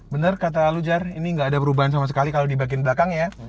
bener kata lu jar ini gak ada perubahan sama sekali kalo dibagian belakang ya